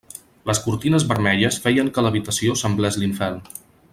Les cortines vermelles feien que l'habitació semblés l'infern.